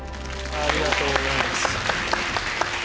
ありがとうございます。